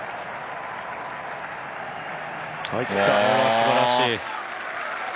すばらしい。